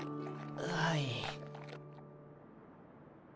はい。